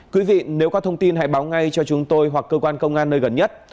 quý vị nếu có thông tin hãy báo ngay cho chúng tôi hoặc cơ quan công an nơi gần nhất